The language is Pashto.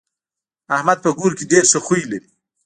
احمد په کور کې ډېر ښه خوی لري.